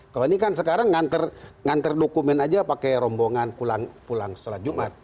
kalau ini kan sekarang ngantar dokumen aja pakai rombongan pulang setelah jumat